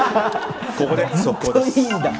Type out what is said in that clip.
ここで速報です。